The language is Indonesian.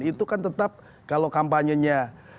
itu kan tetap kalau kampanyenya